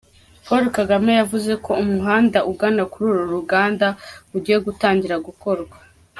Paul Kagame yavuze ko umuhanda ugana kuri uru ruganda ugiye gutangira gukorwa.